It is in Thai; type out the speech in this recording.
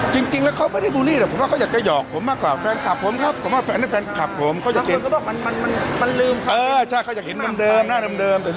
ตอนนี้มีคนได้เริ่มอธิบายและคนเข้าใจความบูรีเข้ามากันอีกร้อย